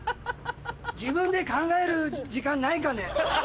自分で考える時間ないかね？